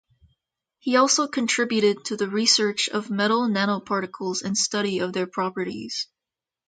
He also contributed to the research of metal nanoparticles and study of their properties.